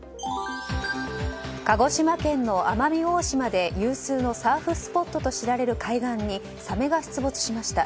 鹿児島県の奄美大島で有数のサーフスポットと知られる海岸にサメが出没しました。